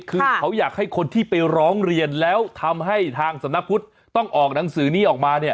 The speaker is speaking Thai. คือเขาอยากให้คนที่ไปร้องเรียนแล้วทำให้ทางสำนักพุทธต้องออกหนังสือนี้ออกมาเนี่ย